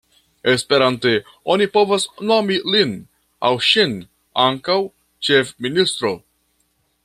Esperante oni povas nomi lin au ŝin ankaŭ ĉefministro.